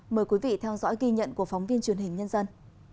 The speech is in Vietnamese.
mời quý vị theo dõi ghi nhận của phóng viên truyền hình nhân dân